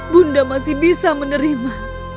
bunda masih bisa menerima